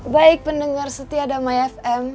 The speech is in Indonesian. baik pendengar setia damai fm